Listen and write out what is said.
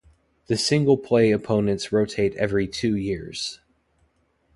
The single play opponents rotate every two years.